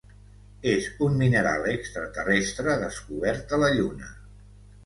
És un mineral extraterrestre descobert a la Lluna.